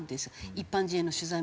一般人への取材も。